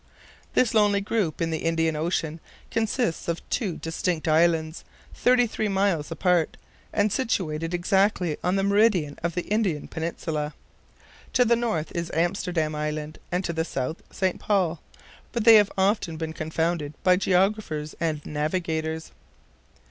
This lonely group in the Indian Ocean consists of two distinct islands, thirty three miles apart, and situated exactly on the meridian of the Indian peninsula. To the north is Amsterdam Island, and to the south St. Paul; but they have been often confounded by geographers and navigators.